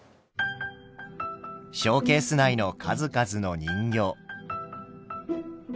ショーケース内の数々の人形。